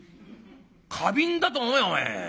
花瓶だと思えばお前。